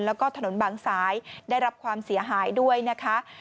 แล้วก็ถนนบางซ้ายได้รับความเสียหายด้วยนะคะ